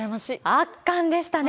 圧巻でしたね。